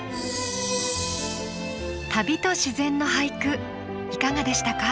「旅と自然」の俳句いかがでしたか？